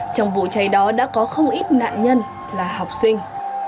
trong vụ cháy đó đã có không ít nạn nhân là học sinh